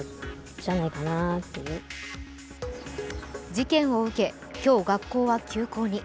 事件を受け今日、学校は休校に。